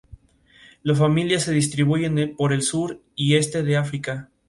El panel retrospectivo estuvo dedicado a Luis Buñuel.